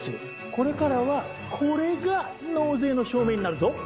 これからはこれが納税の証明になるぞ！